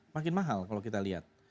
makin mahal kalau kita lihat